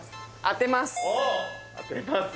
当てます